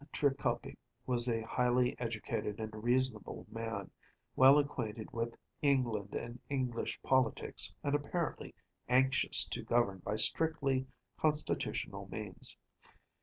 Trikoupi was a highly educated and reasonable man, well acquainted with England and English politics, and apparently anxious to govern by strictly constitutional means.